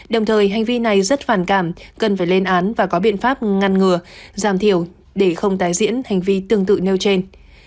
đồng thời hành vi này rất phản cảm cần phải lên án và có biện pháp ngăn ngừa giảm thiểu để không tái diễn hành vi tương tự nêu trên